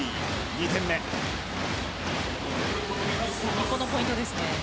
日本のポイントですね。